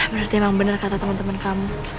bener bener kata temen temen kamu